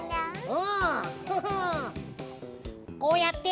うん！